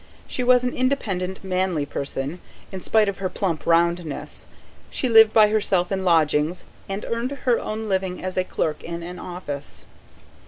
She was an independent, manly person, in spite of her plump roundnesses; she lived by herself in lodgings, and earned her own living as a clerk in an office.